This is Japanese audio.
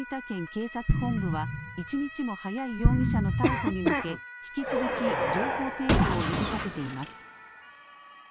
警察本部は一日も早い容疑者の逮捕に向け引き続き情報提供を呼びかけています。